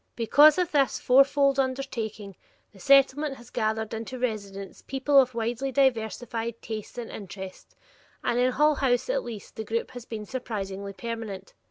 Because of this fourfold undertaking, the Settlement has gathered into residence people of widely diversified tastes and interests, and in Hull House, at least, the group has been surprisingly permanent.